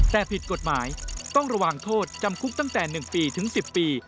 แต่ผิดกฎหมายต้องระวังโทษจำคุกตั้งแต่๑ปีถึง๑๐ปี